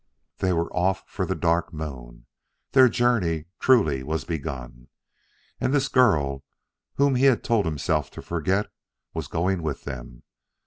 They were off for the Dark Moon: their journey, truly, was begun. And this girl, whom he had told himself to forget, was going with them.